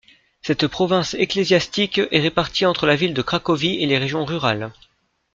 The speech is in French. Cette province ecclésiastique est répartie entre la ville de Cracovie et les régions rurales.